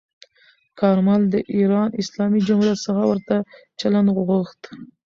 کارمل د ایران اسلامي جمهوریت څخه ورته چلند غوښت.